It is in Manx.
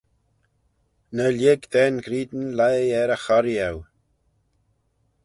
Ny lhig da'n ghrian lhie er y chorree eu.